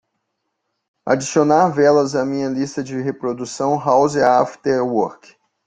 Adicionar velas à minha lista de reprodução House After Work.